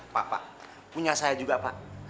pak pak punya saya juga pak